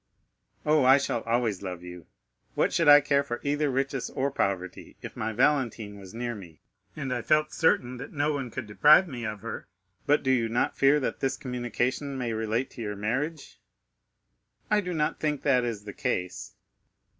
"Oh, I shall always love you. What should I care for either riches or poverty, if my Valentine was near me, and I felt certain that no one could deprive me of her? But do you not fear that this communication may relate to your marriage?" "I do not think that is the case."